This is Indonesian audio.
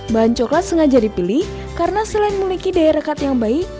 bahan coklat sengaja dipilih karena selain memiliki daya rekat yang baik